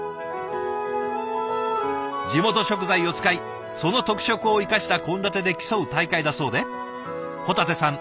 地元食材を使いその特色を生かした献立で競う大会だそうで保立さん